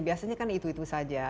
biasanya kan itu itu saja